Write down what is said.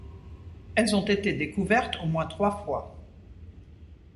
Elles ont été découvertes au moins trois fois.